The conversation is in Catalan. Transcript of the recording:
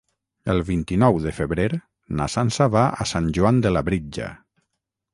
El vint-i-nou de febrer na Sança va a Sant Joan de Labritja.